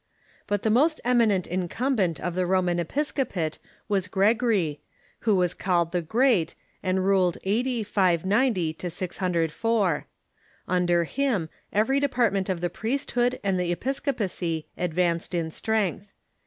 But the most eminent incumbent of the Roman episcopate was Gregory, who was called the Great, and ruled a.d. 590 604. Under him every department of the priesthood and the episcopacy advanced in strength.